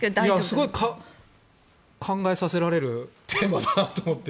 すごく考えさせられるテーマだと思って。